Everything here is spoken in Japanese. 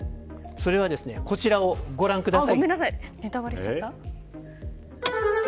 それはこちらをご覧ください。